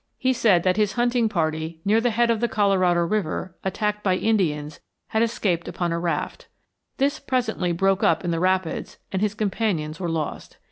He said that his hunting party near the head of the Colorado River, attacked by Indians, had escaped upon a raft. This presently broke up in the rapids and his companions were lost.